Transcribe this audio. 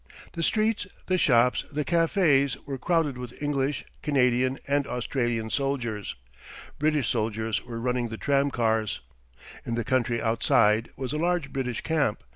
The streets, the shops, the cafés, were crowded with English, Canadian, and Australian soldiers. British soldiers were running the tram cars. In the country outside was a large British camp.